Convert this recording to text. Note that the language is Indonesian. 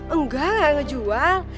enggak gak ngejual